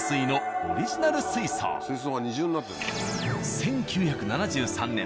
１９７３年